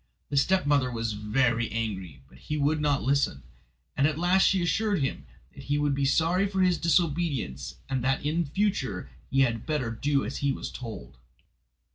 The stepmother was very angry, but he would not listen, and at last she assured him that he would be sorry for his disobedience, and that in future he had better do as he was told.